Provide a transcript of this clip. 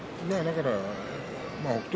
北勝